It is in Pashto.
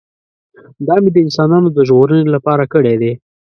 دا مې د انسانانو د ژغورنې لپاره کړی دی.